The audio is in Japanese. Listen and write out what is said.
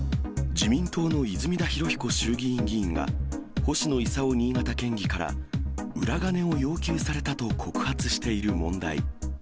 自民党の泉田裕彦衆議院議員が、星野伊佐夫新潟県議から裏金を要求されたと告発している問題。